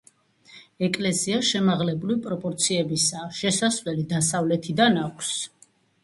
ეკლესია შემაღლებული პროპორციებისაა; შესასვლელი დასავლეთიდან აქვს.